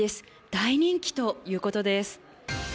大人気ということです。